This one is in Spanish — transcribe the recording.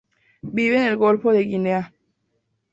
Vive en el Golfo de Guinea.